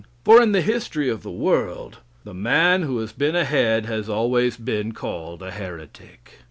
For in the history of the world, the man who has been ahead has always been called a heretic.